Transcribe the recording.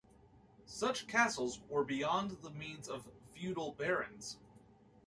Such castles were beyond the means of feudal barons.